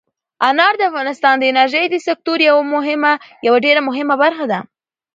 انار د افغانستان د انرژۍ سکتور یوه ډېره مهمه برخه ده.